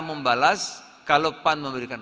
membalas kalau pan memberikan